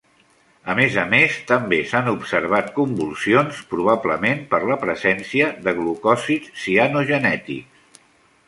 A més a més, també s'han observat convulsions probablement per la presència de glucòsids cianogenètics.